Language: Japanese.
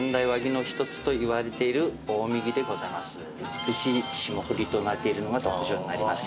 美しい霜降りとなっているのが特長になります。